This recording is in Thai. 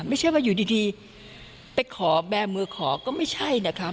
ไม่ใช่ว่าอยู่ดีไปขอแบร์มือขอก็ไม่ใช่นะคะ